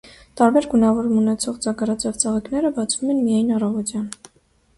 Տարբեր գունավորում ունեցող ձագարաձև ծաղիկները բացվում են միայն առավոտյան։